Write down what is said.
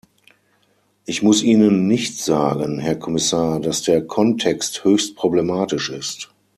Ich muss Ihnen nicht sagen, Herr Kommissar, dass der Kontext höchst problematisch ist.